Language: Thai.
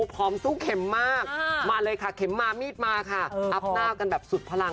สู้เข็มมากมาเลยค่ะเข็มมามีดมาค่ะอัพหน้ากันแบบสุดพลัง